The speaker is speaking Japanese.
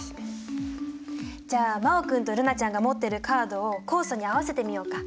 じゃあ真旺君と瑠菜ちゃんが持ってるカードを酵素に合わせてみようか。